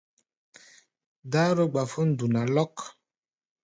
Dáró-gbafón duna lɔ́k.